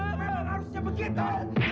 memang harusnya begitu